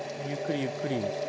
ゆっくりゆっくり。